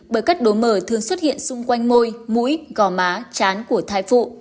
bởi các đố mờ thường xuất hiện xung quanh môi mũi gò má chán của thai phụ